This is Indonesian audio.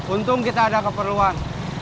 untung kita ada keperluan